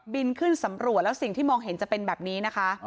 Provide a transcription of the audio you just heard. บินขึ้นสำรวจแล้วสิ่งที่มองเห็นจะเป็นแบบนี้นะคะ